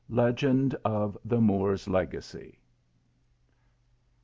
LEGEND OF THE MOOR S LEGACY.